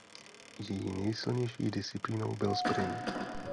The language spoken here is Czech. Její nejsilnější disciplínou byl sprint.